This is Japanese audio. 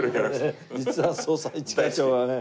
実は捜査一課長はね。